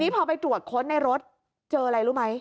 พอไปตรวจค้นในรถเจออะไรรู้ไหม